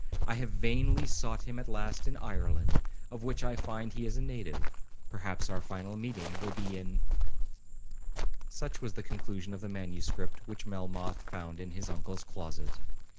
I have vainly sought him at last in Ireland, of which I find he is a native.—Perhaps our final meeting will be in Such was the conclusion of the manuscript which Melmoth found in his uncle's closet.